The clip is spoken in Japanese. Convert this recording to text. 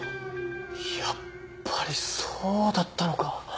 やっぱりそうだったのか。